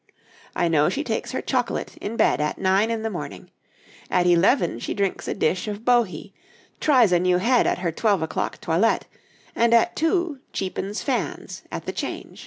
I know she takes her chocolate in bed at nine in the morning, at eleven she drinks a dish of bohea, tries a new head at her twelve o'clock toilette, and at two cheapens fans at the Change.